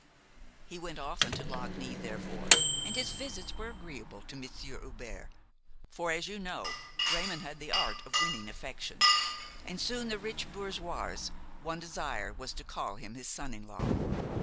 He went often to Lagny, therefore, and his visits were agreeable to Monsieur Hubert; for, as you know, Raymon had the art of winning affection, and soon the rich bourgeois's one desire was to call him his son in law.